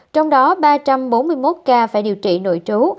trong đó ba trăm bốn mươi một ca phải điều trị nội trú